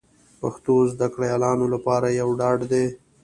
پښتو زده کړیالانو لپاره یو ډاډ دی